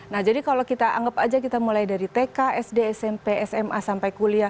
nah jadi kalau kita anggap aja kita mulai dari tk sd smp sma sampai kuliah